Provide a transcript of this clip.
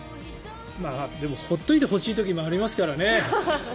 まあ、でも放っておいてほしい時もありますからね。